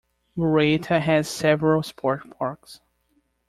Murrieta has several sport parks.